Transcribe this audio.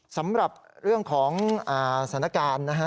สำหรับเรื่องของสถานการณ์นะฮะ